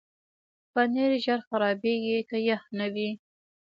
پنېر ژر خرابېږي که یخ نه وي.